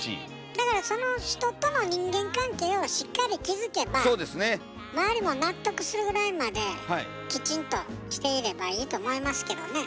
だからその人との人間関係をしっかり築けば周りも納得するぐらいまできちんとしていればいいと思いますけどね。